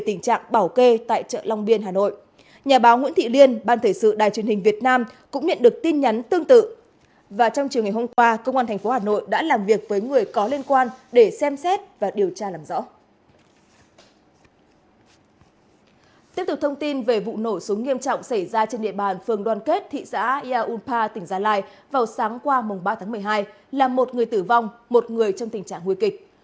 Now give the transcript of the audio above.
tiếp tục thông tin về vụ nổ súng nghiêm trọng xảy ra trên địa bàn phường đoàn kết thị xã ia unpa tỉnh gia lai vào sáng qua ba tháng một mươi hai là một người tử vong một người trong tình trạng nguy kịch